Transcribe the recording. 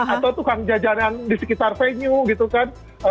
atau tukang jajanan di sekitar venue gitu kan